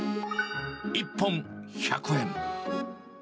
１本１００円。